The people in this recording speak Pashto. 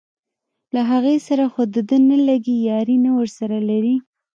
له هغې سره خو دده نه لګي یاري نه ورسره لري.